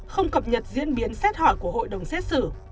không cập nhật diễn biến xét hỏi của hội đồng xét xử